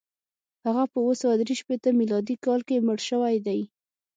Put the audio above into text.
هغه په اووه سوه درې شپېته میلادي کال کې مړ شوی دی.